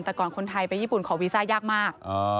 แต่ก่อนคนไทยไปญี่ปุ่นขอวีซ่ายากมาก